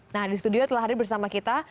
nah di studio telah hadir bersama kita